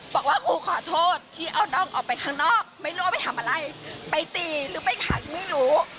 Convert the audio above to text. บอกว่ากูขอโทษที่เอาน้องออกไปข้างนอกไม่รู้ว่าไปทำอะไรไปตีหรือไปขัดไม่รู้